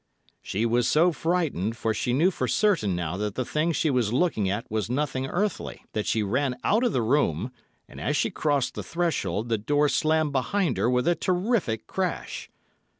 "She was so frightened, for she knew for certain now that the thing she was looking at was nothing earthly, that she ran out of the room, and as she crossed the threshold, the door slammed behind her with a terrific crash.